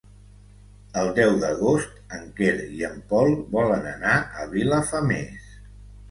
El deu d'agost en Quer i en Pol volen anar a Vilafamés.